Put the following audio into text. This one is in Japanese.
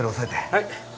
はい。